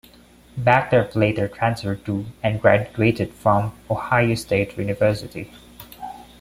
Backderf later transferred to, and graduated from, Ohio State University.